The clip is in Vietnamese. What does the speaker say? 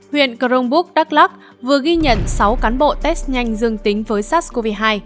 huyện cronbúc đắk lắc vừa ghi nhận sáu cán bộ test nhanh dương tính với sars cov hai